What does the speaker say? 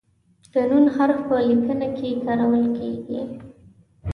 د "ن" حرف په لیکنه کې کارول کیږي.